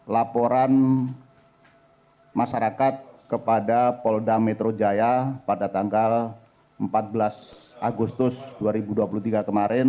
laporan masyarakat kepada polda metro jaya pada tanggal empat belas agustus dua ribu dua puluh tiga kemarin